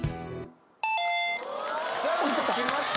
さあきました